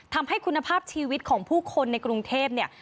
ทำให้คุณภาพชีวิตของผู้คนในกรุงเทพเนี่ย